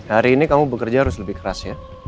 hari ini kamu bekerja harus lebih keras ya